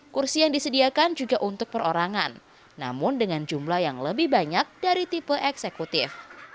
kursi yang disediakan juga untuk perorangan namun dengan jumlah yang lebih banyak dari tipe eksekutif